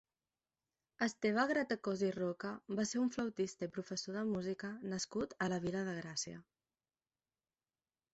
Esteve Gratacòs i Roca va ser un flautista i professor de música nascut a la Vila de Gràcia.